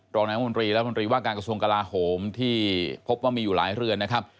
รองนายมนตรีรัฐมนตรีว่าการกระทรวงกลาโหมที่พบว่ามีอยู่หลายเรือนนะครับ